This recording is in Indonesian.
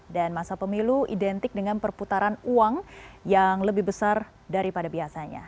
masa pemilu identik dengan perputaran uang yang lebih besar daripada biasanya